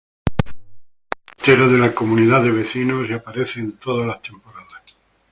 Es el portero de la comunidad de vecinos y aparece en todas las temporadas.